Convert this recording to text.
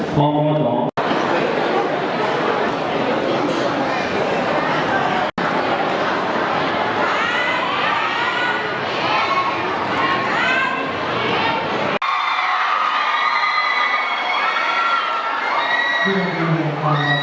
สวัสดีครับ